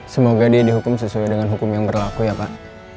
semoga dia dihukum sesuai dengan hukum yang berlaku ya pak